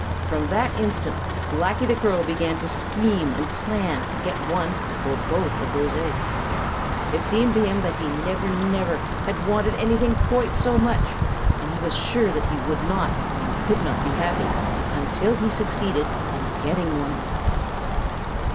From that instant Blacky the Crow began to scheme and plan to get one or both of those eggs. It seemed to him that he never, never, had wanted anything quite so much, and he was sure that he would not and could not be happy until he succeeded in getting one.